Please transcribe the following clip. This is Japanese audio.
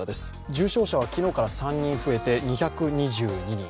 重症者は昨日から３人増えて２２２人。